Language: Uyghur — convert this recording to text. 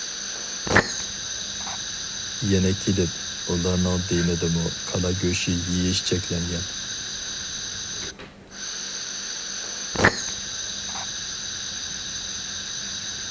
يەنە كېلىپ، ئۇلارنىڭ دىنىدىمۇ كالا گۆشى يېيىش چەكلەنگەن.